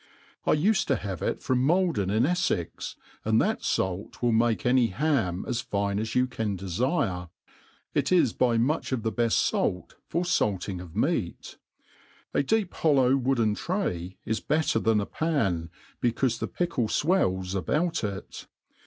,1 ufed to have it from MaU 4en in Eflex, and that fait will make any ham as fine as you can defire. It is by much the beft fait for fatting of meat.. A deep hollow wooden tray is better than a p^n^ becaufe the pickle fwells about it.